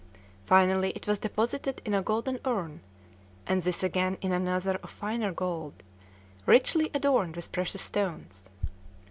Finally it was deposited in a golden urn, and this again in an other of finer gold, richly adorned with precious stones.